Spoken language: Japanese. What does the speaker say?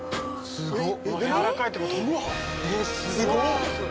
すごい！